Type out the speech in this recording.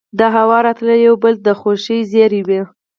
دهوا راتلل يو بل د خوشالۍ زېرے وو